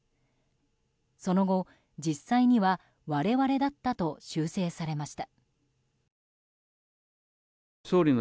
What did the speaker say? その後、実際には我々だったと修正されました。